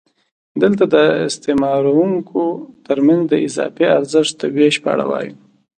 دلته د استثماروونکو ترمنځ د اضافي ارزښت د وېش په اړه وایو